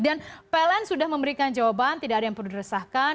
dan pln sudah memberikan jawaban tidak ada yang perlu diresahkan